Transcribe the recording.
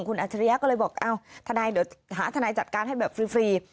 คุณอัจจะรี๊ยะก็เลยบอกทนายเดี๋ยวหาทนายจัดการให้ฟรี